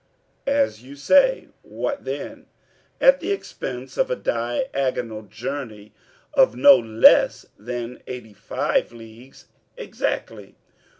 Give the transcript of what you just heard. "As you say, what then?" "At the expense of a diagonal journey of no less than eighty five leagues." "Exactly."